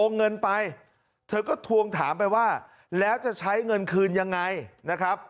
เงินไปเธอก็ทวงถามไปว่าแล้วจะใช้เงินคืนยังไงนะครับ